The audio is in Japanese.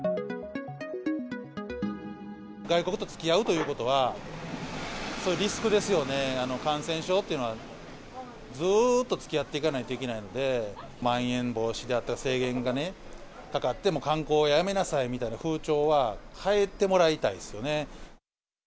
外国とつきあうということは、そういうリスクですよね、感染症っていうのは、ずっとつきあっていかないといけないので、まん延防止であったり、制限がかかって、観光やめなさいみたいな風潮は変えてもらいたいですよね。